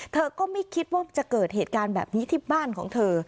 เธอก็ไม่คิดว่าจะเกิดเหตุการณ์แบบนี้ที่บ้านของเธอ